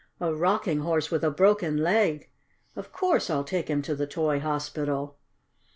"A Rocking Horse with a broken leg! Of course I'll take him to the toy hospital."